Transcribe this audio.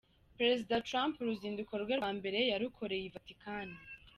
Perezida Trump uruzinduko rwe rwa mbere yarukomereje I Vatican.